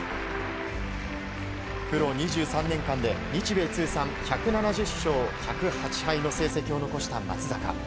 プロ２３年間で日米通算１７０勝１０８敗の成績を残した松坂。